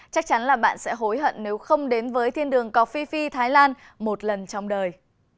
chắc chắn là bạn sẽ hối hận nếu không đến với thiên đường cà phê phi thái lan một lần trong đời